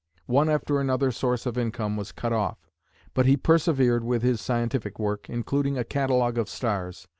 One after another source of income was cut off, but he persevered with his scientific work, including a catalogue of stars.